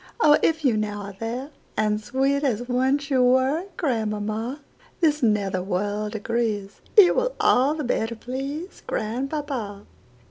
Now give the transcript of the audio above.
Oh, if you now are there, And sweet as once you were, Grandmamma, This nether world agrees'T will all the better pleaseGrandpapa.